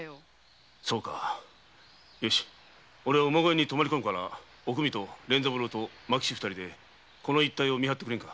よしおれは馬小屋に泊まりこむからおくみと連三郎と牧士二人でこの一帯を見張ってくれんか。